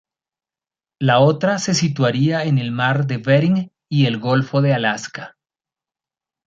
La otra se situaría en el mar de Bering y el golfo de Alaska.